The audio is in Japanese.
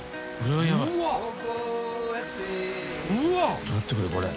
ちょっと待ってくれよこれ。